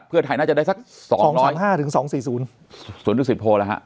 เพื่อไทยน่าจะได้สักสองสองสามห้าถึงสองสี่ศูนย์สวนดุสิตโพแล้วฮะ